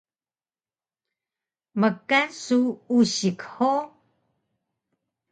Mkan su usik hug?